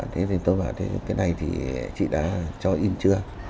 thế thì tôi bảo thấy cái này thì chị đã cho in chưa